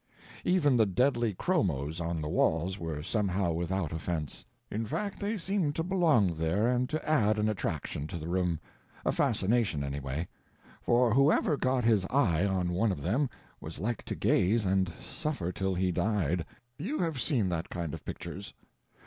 Even the deadly chromos on the walls were somehow without offence; in fact they seemed to belong there and to add an attraction to the room—a fascination, anyway; for whoever got his eye on one of them was like to gaze and suffer till he died—you have seen that kind of pictures.